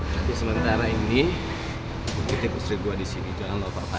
tapi sementara ini gue bukti istri gue di sini jangan lupa apa apa ini